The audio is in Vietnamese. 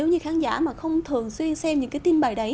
nếu như khán giả mà không thường xuyên xem những cái tin bài đấy